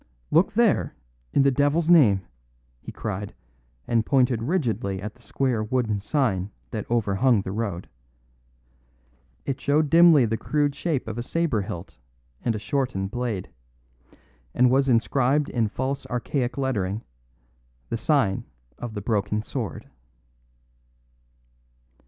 "Look there, in the devil's name!" he cried, and pointed rigidly at the square wooden sign that overhung the road. It showed dimly the crude shape of a sabre hilt and a shortened blade; and was inscribed in false archaic lettering, "The Sign of the Broken Sword."